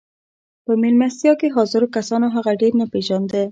په مېلمستيا کې حاضرو کسانو هغه ډېر نه پېژانده.